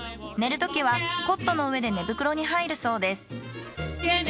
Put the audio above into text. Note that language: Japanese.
寝るときはコットの上で寝袋に入るそうです。